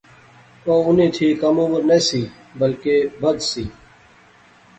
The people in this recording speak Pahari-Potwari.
او انیں تھی کم عمر نہسی بلکہ بدھ سی